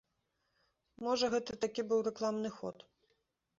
Можа, гэта такі быў рэкламны ход.